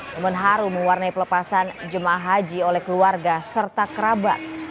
momen haru mewarnai pelepasan jemaah haji oleh keluarga serta kerabat